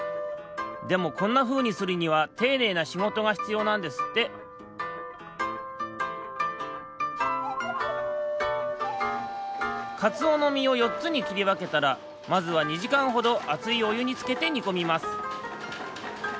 でもこんなふうにするにはていねいなしごとがひつようなんですってかつおのみを４つにきりわけたらまずは２じかんほどあついおゆにつけてにこみます